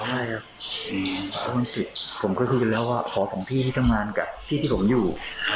ไม่เห็นครับผมก็ยืนแล้วว่าขอส่องพี่ที่กำลังกับพี่ที่ผมอยู่